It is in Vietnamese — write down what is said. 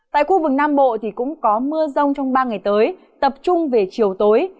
tại khu vực nam bộ thì cũng có mưa rông trong ba ngày tới tập trung về chiều tối